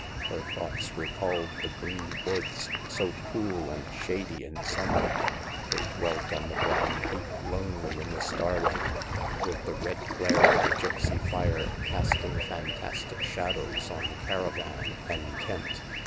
Her thoughts recalled the green woods, so cool and shady in summer ; they dwelt on the brown heath lonely in the starlight, with the red flare of the gipsy fire casting fantastic shadows on caravan and tent.